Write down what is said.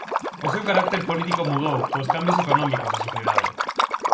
O seu carácter político mudou cos cambios económicos da sociedade.